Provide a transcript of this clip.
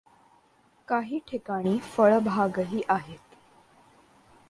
काही ठिकाणी फळबागही आहेत.